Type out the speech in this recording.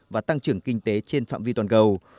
và tăng trưởng kinh tế trên phạm vi toàn cầu